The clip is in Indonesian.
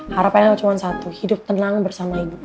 harapnya el cuma satu hidup tenang bersama ibu